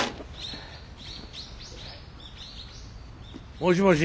もしもし。